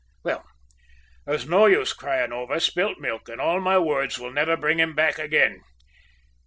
Well, there's no use crying over spilt milk, and all my words will never bring him back again.